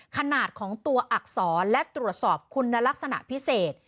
ขนาดของตัวอักษรและตรวจสอบคุณลักษณะพิเศษ